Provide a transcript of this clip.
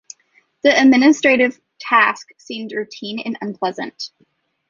The administrative task seemed routine and unpleasant.